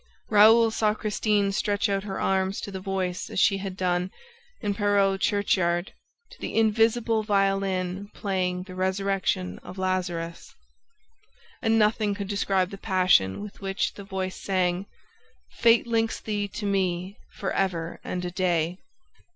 Raoul saw Christine stretch out her arms to the voice as she had done, in Perros churchyard, to the invisible violin playing The Resurrection of Lazarus. And nothing could describe the passion with which the voice sang: "Fate links thee to me for ever and a day!"